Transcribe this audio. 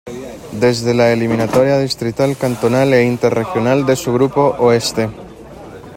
Desde la eliminatoria distrital, cantonal e inter regional de su Grupo Oeste.